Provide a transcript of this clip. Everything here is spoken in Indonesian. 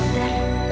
tungguin w mutta dulu